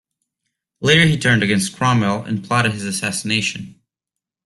Later he turned against Cromwell and plotted his assassination.